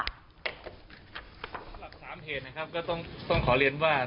สำหรับ๓เหตุนะครับก็ต้องขอเรียนว่า